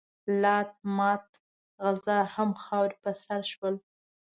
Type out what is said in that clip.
لات، منات، عزا همه خاورې په سر شول.